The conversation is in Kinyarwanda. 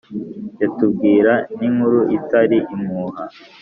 yatubwira n'inkuru itari impuha